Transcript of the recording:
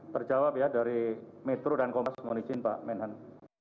terjawab ya dari metro dan kompas mohon izin pak menhan